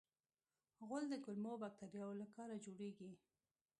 غول د کولمو باکتریاوو له کاره جوړېږي.